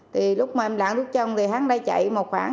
thì lúc mà em lãng tút trong thì hắn lại chạy một khoảng